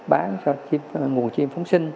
bán cho nguồn chim phóng xanh